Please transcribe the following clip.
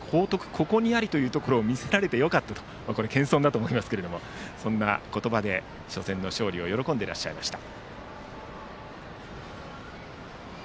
ここにあり、というところを見せられてよかったと謙遜だと思いますがそんな言葉で初戦の勝利を喜んでいらっしゃいました。